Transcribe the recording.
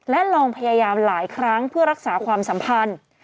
และลองพยายามหลายครั้งเพื่อรักษาความสัมพันธ์